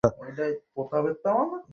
কেউ মুখ খুলছে না।